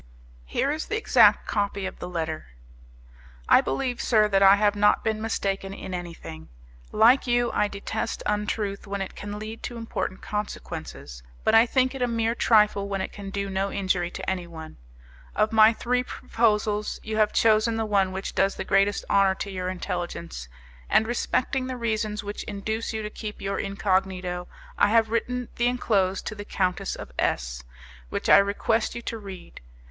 Here is the exact copy of the letter: "I believe, sir, that I have not been mistaken in anything. Like you, I detest untruth when it can lead to important consequences, but I think it a mere trifle when it can do no injury to anyone. Of my three proposals you have chosen the one which does the greatest honour to your intelligence, and, respecting the reasons which induce you to keep your incognito, I have written the enclosed to the Countess of S , which I request you to read.